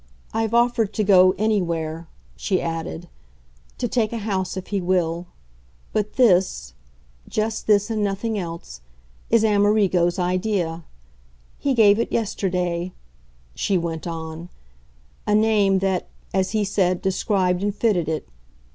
I've offered to go anywhere," she added; "to take a house if he will. But THIS just this and nothing else is Amerigo's idea. He gave it yesterday" she went on, "a name that, as, he said, described and fitted it.